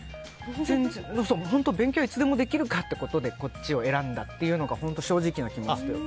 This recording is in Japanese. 本当、勉強はいつでもできるということでこっちを選んだっていうのが正直な気持ちというか。